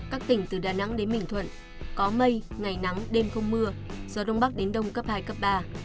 các tỉnh từ đà nẵng đến bình thuận có mây ngày nắng đêm không mưa gió đông bắc đến đông cấp hai cấp ba